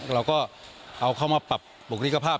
เราก็เอาเข้ามาปรับบุคลิกภาพ